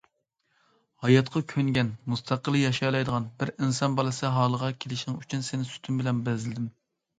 ھاياتقا كۆنگەن مۇستەقىل ياشىيالايدىغان بىر ئىنسان بالىسى ھالىغا كېلىشىڭ ئۈچۈن سېنى سۈتۈم بىلەن بەزلىدىم.